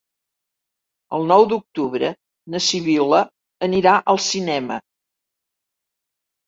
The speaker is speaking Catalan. El nou d'octubre na Sibil·la anirà al cinema.